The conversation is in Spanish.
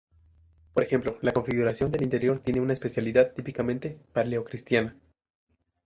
Por ejemplo, la configuración del interior tiene una espacialidad típicamente paleocristiana.